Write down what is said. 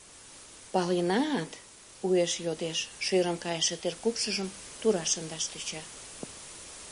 — Паленат? — уэш йодеш, шӧрын кайыше теркупшыжым тура шындаш тӧча.